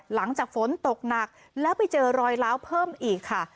หลังจากฝนตกหนักแล้วไปเจอรอยล้าวเพิ่มอีกค่ะ